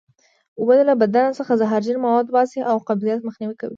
اوبه له بدن څخه زهرجن مواد وباسي او قبضیت مخنیوی کوي